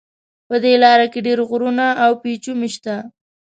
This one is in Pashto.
په دې لاره کې ډېر غرونه او پېچومي شته.